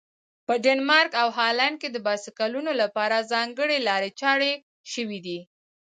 په ډنمارک او هالند کې د بایسکلونو لپاره ځانګړي لارې چارې شوي دي.